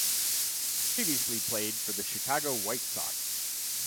He previously played for the Chicago White Sox.